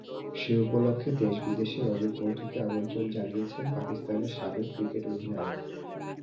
সে উপলক্ষে দেশ বিদেশের অনেক বন্ধুকে আমন্ত্রণ জানিয়েছেন পাকিস্তানের সাবেক ক্রিকেট অধিনায়ক।